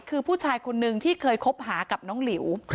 คือผู้ชายคนนึงที่เคยคบหากับน้องหลิว